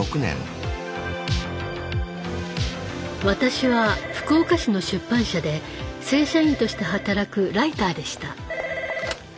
私は福岡市の出版社で正社員として働くライターでした。